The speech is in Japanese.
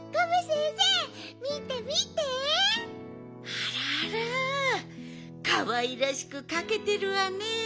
あらあらかわいらしくかけてるわね。